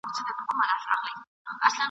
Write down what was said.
زه پوهېدم څوک به دي نه خبروي ..